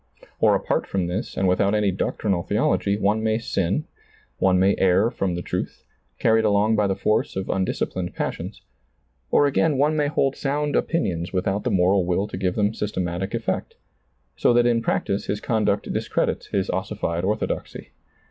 Or apart from this and without any doctrinal theology, one may sin, one may err from the truth, carried along by the force of undisci plined passions ; or again one may hold sound opinions without the moral will to give them systematic effect, so that in practice his conduct discredits his ossified orthodoxy.